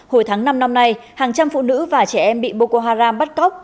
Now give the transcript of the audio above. hồi tháng năm năm nay hàng trăm phụ nữ và trẻ em bị boko haram bắt cóc